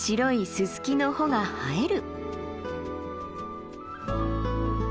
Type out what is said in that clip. ススキの穂が映える。